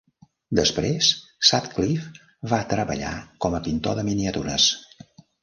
Després, Sutcliff va treballar com a pintor de miniatures.